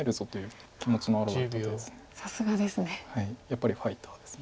やっぱりファイターです。